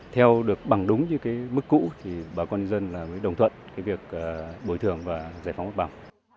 theo được bằng đúng như mức cũ thì bà con nhân dân mới đồng thuận việc bồi thường và giải phóng mặt bằng